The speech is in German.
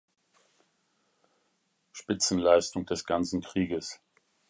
Spitzenleistung des ganzen Krieges.